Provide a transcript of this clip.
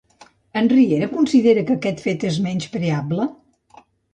En Riera considera que aquest fet és menyspreable?